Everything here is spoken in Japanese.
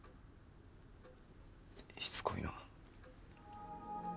しつこいな。